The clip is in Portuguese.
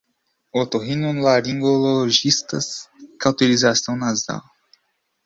otorrinolaringologistas, cauterização nasal